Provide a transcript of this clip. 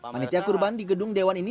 panitia kurban di gedung dewan ini